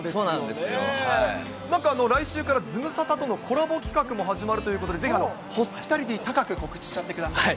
なんか、来週からズムサタとのコラボ企画も始まるということで、ぜひ、ホスピタリティー高く、告知しちゃってください。